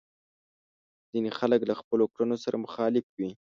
ځينې خلک له خپلو کړنو سره مخالف وي.